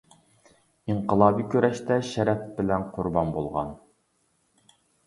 «ئىنقىلابىي كۈرەشتە شەرەپ بىلەن قۇربان بولغان» .